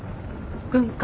軍艦？